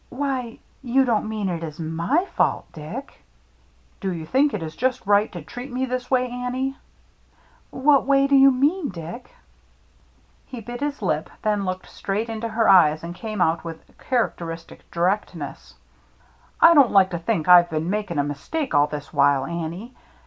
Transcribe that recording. "Why — you don't mean it is my fault, Dick?" " Do you think it is just right to treat me this way, Annie ?"" What way do you mean, Dick ?" He bit his lip, then looked straight into her eyes and came out with characteristic directness :—" I don't like to think I've been making a mistake all this while, Annie.